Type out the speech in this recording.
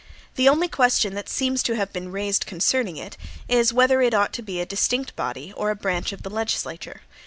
The only question that seems to have been raised concerning it, is, whether it ought to be a distinct body or a branch of the legislature.